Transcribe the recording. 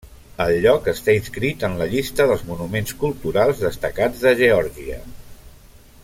El lloc està inscrit en la llista dels monuments culturals destacats de Geòrgia.